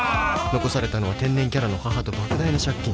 ［残されたのは天然キャラの母と莫大な借金。